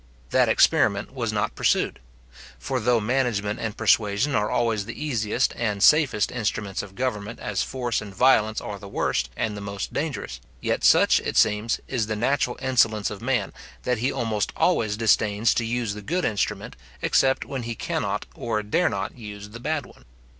That experiment was not pursued. For though management and persuasion are always the easiest and safest instruments of government as force and violence are the worst and the most dangerous; yet such, it seems, is the natural insolence of man, that he almost always disdains to use the good instrument, except when he cannot or dare not use the bad one.